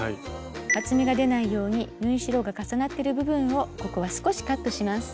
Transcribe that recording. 厚みが出ないように縫い代が重なってる部分をここは少しカットします。